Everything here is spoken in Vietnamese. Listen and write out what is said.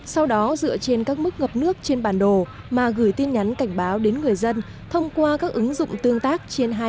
sau đó dựa trên các mức